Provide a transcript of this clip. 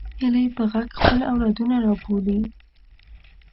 هیلۍ پر غږ خپل اولادونه رابولي